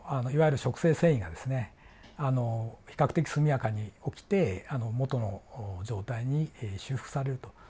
いわゆる植生遷移がですね比較的速やかに起きて元の状態に修復されると。